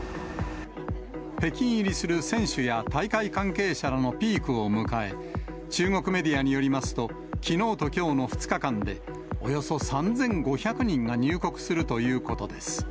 北京入りする選手や大会関係者らのピークを迎え、中国メディアによりますと、きのうときょうの２日間で、およそ３５００人が入国するということです。